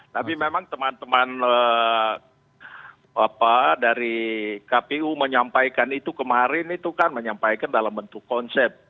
tapi memang teman teman dari kpu menyampaikan itu kemarin itu kan menyampaikan dalam bentuk konsep